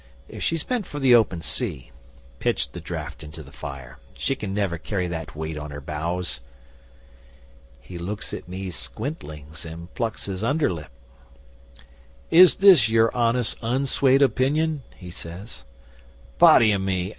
If she's meant for the open sea, pitch the draft into the fire. She can never carry that weight on her bows." 'He looks at me squintlings and plucks his under lip. '"Is this your honest, unswayed opinion?" he says. '"Body o' me!